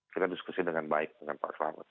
kita diskusi dengan baik dengan pak selamat